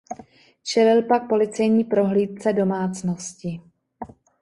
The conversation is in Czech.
Čelil pak policejní prohlídce domácnosti.